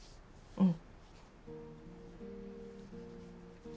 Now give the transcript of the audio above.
うん。